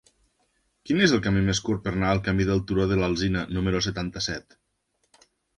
Quin és el camí més curt per anar al camí del Turó de l'Alzina número setanta-set?